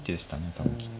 多分きっと。